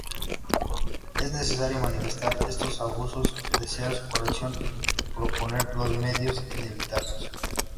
Es necesario manifestar estos abusos, desear su corrección y proponer los medios de evitarlos.